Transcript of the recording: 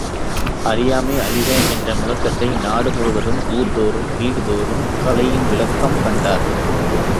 அறியாமை அழிக என்ற முழக்கத்தை நாடு முழுவதும், ஊர்தோறும், வீடுதோறும் கலையின் விளக்கம் கண்டனர்.